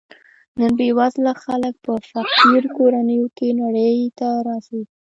بې وزله خلک په فقیر کورنیو کې نړۍ ته راځي.